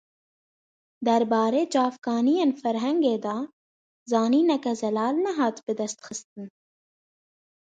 Derbarê çavkanîyên ferhengê da zanîneke zelal nehat bidestxistin.